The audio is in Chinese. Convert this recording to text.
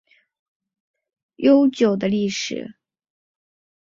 哈拉卜贾有着悠久的历史。